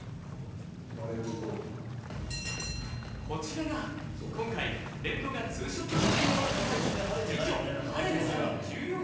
こちらが今回レッドが２ショット写真を撮りたい。